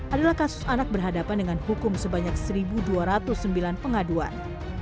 adalah kasus anak berhadapan dengan hukum sebanyak satu dua ratus sembilan pengaduan